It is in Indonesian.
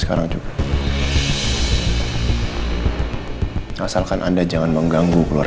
maaf pak herlangga